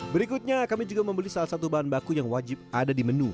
berikutnya kami juga membeli salah satu bahan baku yang wajib ada di menu